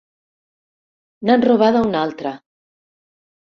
N'han robada una altra!